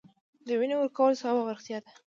د وینې ورکول ثواب او روغتیا ده